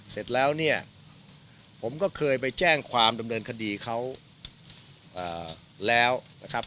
เสร็จแล้วเนี่ยผมก็เคยไปแจ้งความดำเนินคดีเขาแล้วนะครับ